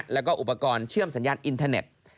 แล้วก็อุปกรณ์เชื่อมสัญญาณอินเทอร์เน็ต